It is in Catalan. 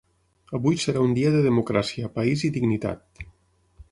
Avui serà un dia de democràcia, país i dignitat.